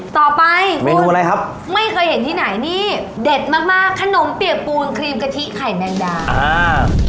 ต่อไปไม่เคยเห็นที่ไหนนี่เด็ดมากขนมเปียกปูนครีมกะทิไข่แมงดา